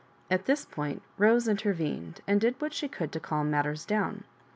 At this point Bose intervened, and did what she oould to cahn matters down.